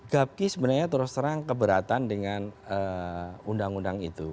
gapki sebenarnya terus terang keberatan dengan undang undang itu